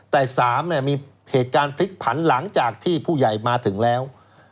แต่๓มีเหตุการณ์พลิกผันหลังจากที่ผู้ใหญ่มาถึงแล้ว